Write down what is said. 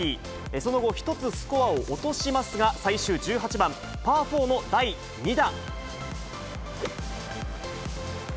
その後、１つスコアを落としますが、最終１８番パー４の第２打。